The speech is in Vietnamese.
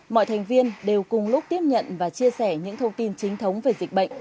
mọi thành viên đều cùng lúc tiếp nhận và chia sẻ những thông tin chính thống về dịch bệnh